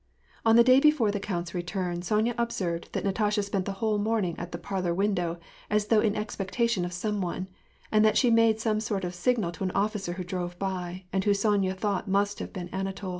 On the day before the count's return, Sonya observed that Natasha spent the whole morning at the parlor window, as though in expectation of some one ; and that she made some sort of a signal to an officer who drove by, and who Sonya thought must have been Anatol.